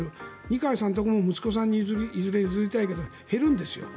二階さんところの息子さんにいずれ譲りたいけど減るんですよ。